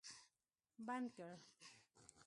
بند کړ